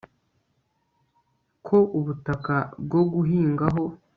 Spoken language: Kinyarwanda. ko ubutaka bwo guhingaho